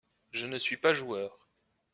Je ne suis pas joueur.